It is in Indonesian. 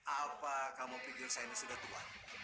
apa kamu pikir saya ini sudah tua